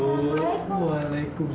kamu belum sampai rumah atau belum ya